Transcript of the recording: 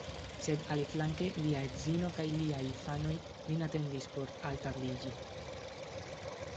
Sed aliflanke lia edzino kaj liaj infanoj lin atendis por altabliĝi.